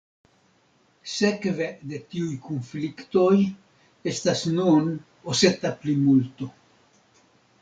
Sekve de tiuj konfliktoj estas nun oseta plimulto.